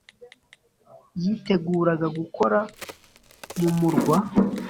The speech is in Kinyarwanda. yiteguraga gukora mu murwa.